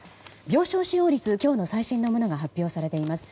病床使用率、今日の最新のものが発表されています。